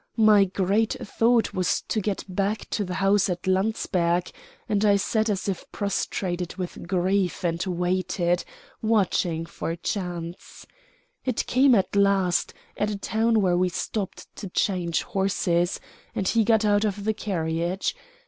My great thought was to get back to the house at Landsberg; and I sat as if prostrated with grief and waited, watching for a chance. It came at last, at a town where we stopped to change horses, and he got out of the carriage.